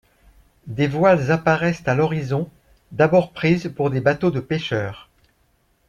Des voiles apparaissent à l'horizon d'abord prises pour des bateaux de pêcheurs.